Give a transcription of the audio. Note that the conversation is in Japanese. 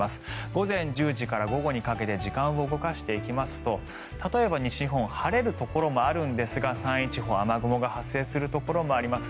午前１０時から午後にかけて時間を動かしていきますと例えば西日本晴れるところもあるんですが山陰地方、雨雲が発生するところもあります。